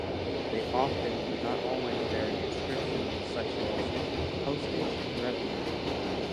They often but not always bear an inscription such as "Postage and Revenue".